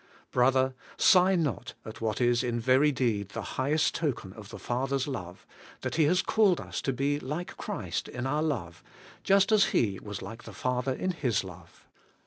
Brother, sigh not at what is in very deed the highest token of the Father's love, that He has called us to be like Christ in our love, just as He was like the Father in His love.